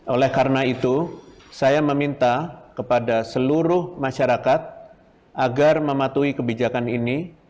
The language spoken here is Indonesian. oleh karena itu saya meminta kepada seluruh masyarakat agar mematuhi kebijakan ini